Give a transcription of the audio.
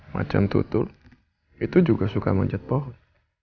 macan tutul itu juga suka manjat pohon